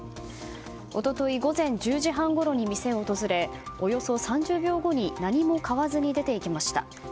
一昨日午前１０時半ごろに店を訪れおよそ３０秒後に何も買わずに出て行きました。